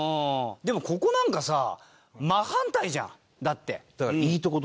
でもここなんかさ真反対じゃんだって。